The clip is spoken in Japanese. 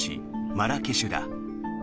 マラケシュだ。